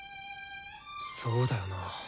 そうだよな。